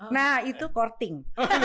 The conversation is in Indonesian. nah itu courting